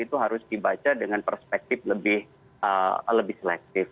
dan itu harus dibaca dengan perspektif lebih selektif